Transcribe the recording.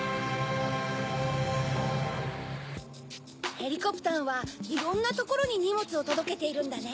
ヘリコプタンはいろんなところににもつをとどけているんだね。